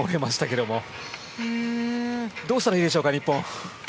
どうしたらいいでしょうか日本は。